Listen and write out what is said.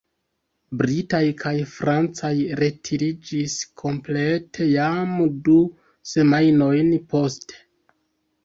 Britaj kaj francaj retiriĝis komplete jam du semajnojn poste.